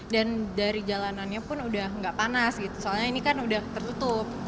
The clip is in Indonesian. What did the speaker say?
dan dari jalanannya pun udah nggak panas gitu soalnya ini kan udah tertutup